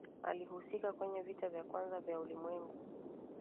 alihusika kwenye vita ya kwanza vya ulimwengu